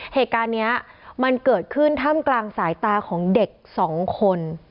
เหตุการณ์นี้มันเกิดขึ้นท่ามกลางสายตาของเด็กสองคน